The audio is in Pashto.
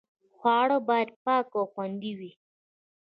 خواړه باید پاک او خوندي وي.